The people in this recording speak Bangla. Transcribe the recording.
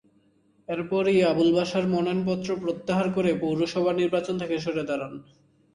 এরপরই আবুল বাশার মনোনয়নপত্র প্রত্যাহার করে পৌরসভা নির্বাচন থেকে সরে দাঁড়ান।